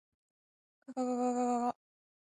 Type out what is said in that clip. ががががががが。